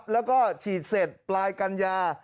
แล้วก็ฉีดเสร็จปลายกัญญา